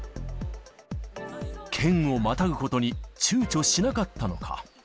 県をまたぐことにちゅうちょしなかったのか。